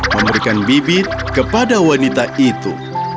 memberikan bibit kepada wanita itu